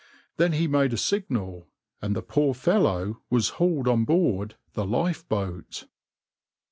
Then he made a signal, and the poor fellow was hauled on board the lifeboat.